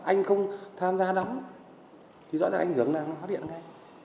anh không tham gia đóng thì rõ ràng anh hưởng nào nó phát hiện ra